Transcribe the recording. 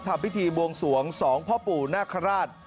ทำพิธีบวงสวง๒พ่อปู่นาคาราช